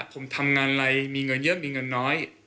ผมทำงานอะไรมีเงินเยอะมีเงินน้อย